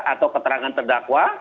atau keterangan terdakwa